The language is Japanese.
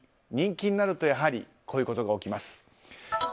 人気になると、やはりこういうことが起きます。